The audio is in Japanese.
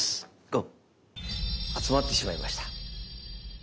集まってしまいました。